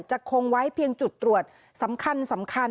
จะคงไว้เพียงจุดตรวจสำคัญ